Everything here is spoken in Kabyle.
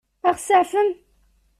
Ad ɣ-tseɛfem?